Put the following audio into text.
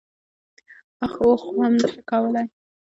اخ او واخ هم نه شم کولای.